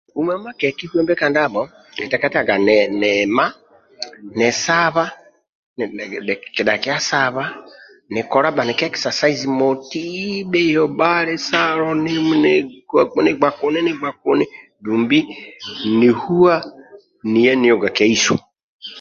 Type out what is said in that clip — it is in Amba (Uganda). Uma uma ke kihuembe ka ndabho nkiteketaga nima ni saba kidhakia saba nilola bhanikia kisasaizi moti bhio hali salo nigba kuni nigba kuni nihua niya nioga keiso